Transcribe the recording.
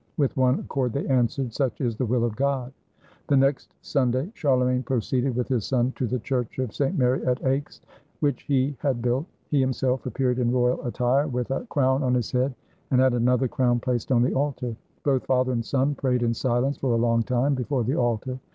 With one accord they answered: "Such is the will of God!" The next Sunday Charlemagne proceeded with his son to the Church of St. Mary at Aix, which he had built. He himself appeared in royal attire, with a crown on his head, and had another crown placed on the altar. Both father and son prayed in silence for a long time before the altar.